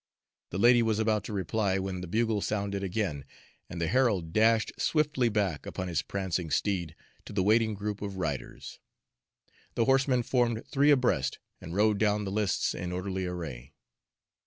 The lady was about to reply, when the bugle sounded again, and the herald dashed swiftly back upon his prancing steed to the waiting group of riders. The horsemen formed three abreast, and rode down the lists in orderly array.